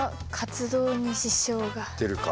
出るか。